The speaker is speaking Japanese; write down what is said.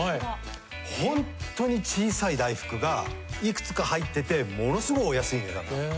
ホントに小さい大福がいくつか入っててものすごいお安い値段。へ。